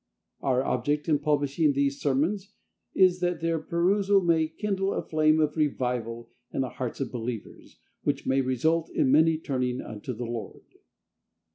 Our object in publishing these sermons, is, that their perusal may kindle a flame of revival in the hearts of believers, which may result in many turning unto the Lord.